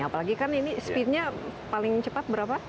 apalagi kan ini speednya paling cepat berapa